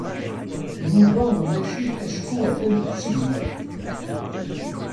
Yuba ulac-it acku atan deg usegnaf.